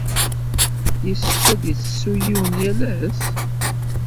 Yessefk ad d-ittessu yiwen yal ass?